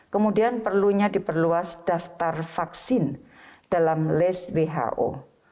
kemudian perlunya diperluas daftar vaksin dalam list who